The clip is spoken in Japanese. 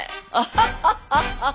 ハハハハ！